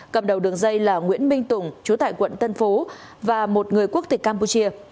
cầm đầu đường dây là nguyễn minh tùng chú tại quận tân phú và một người quốc tịch campuchia